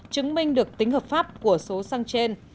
chứng minh được tính hợp pháp của số xăng trên